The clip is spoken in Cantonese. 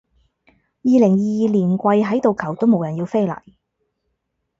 二零二二年跪喺度求都冇人要飛嚟